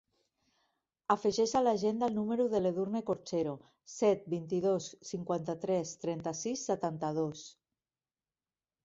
Afegeix a l'agenda el número de l'Edurne Corchero: set, vint-i-dos, cinquanta-tres, trenta-sis, setanta-dos.